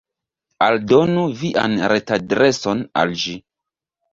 Aldonu vian retadreson al ĝi.